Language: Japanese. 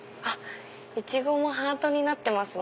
イチゴもハートになってますね。